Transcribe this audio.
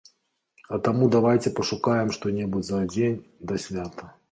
А таму давайце пашукаем што-небудзь за дзень да свята.